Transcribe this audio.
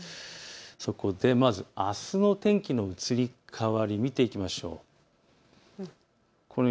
そこでまず、あすの天気の移り変わり見ていきましょう。